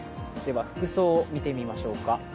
服装、見てみましょうか。